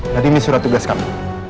jadi ini surat tugas kami